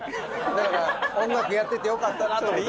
だから音楽やっててよかったなと思って。